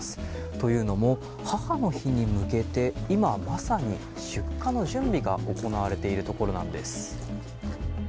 というのも母の日に向けて今まさに出荷の準備が行われているところなんです。